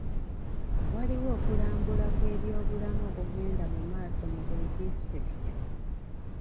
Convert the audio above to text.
Waliwo okulambula kw'ebyobulamu okugenda mu maaso mu buli disitulikiti.